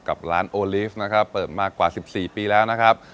กับร้านโอลีฟนะครับเปิดมากว่า๑๔ปีแล้วนะครับ